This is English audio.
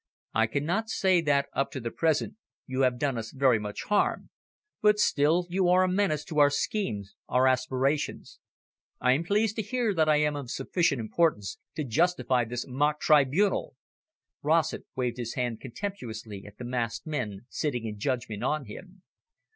"I cannot say that, up to the present, you have done us very much harm, but still you are a menace to our schemes, our aspirations." "I am pleased to hear that I am of sufficient importance to justify this mock tribunal." Rossett waved his hand contemptuously at the masked men sitting in judgment on him.